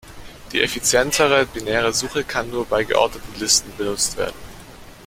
Die effizientere Binäre Suche kann nur bei geordneten Listen benutzt werden.